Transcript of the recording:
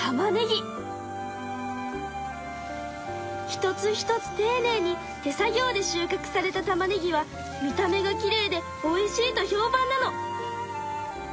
一つ一つていねいに手作業で収かくされたたまねぎは見た目がきれいでおいしいと評判なの。